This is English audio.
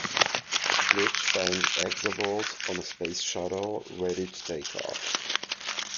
Glitch finds Exavolt on a space shuttle ready to take off.